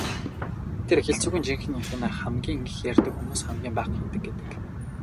Тэр хэлц үгийн жинхэнэ эх нь "хамгийн их ярьдаг хүмүүс хамгийн бага хийдэг" гэдэг.